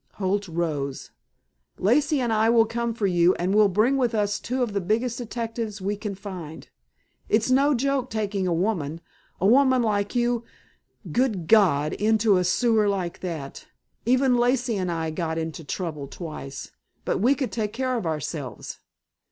Holt rose. "Lacey and I will come for you, and we'll bring with us two of the biggest detectives we can find. It's no joke taking a woman a woman like you Good God! into a sewer like that. Even Lacey and I got into trouble twice, but we could take care of ourselves.